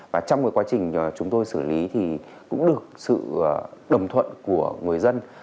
và trong cái quá trình chúng tôi xử lý thì cũng được sự đồng thuận của người dân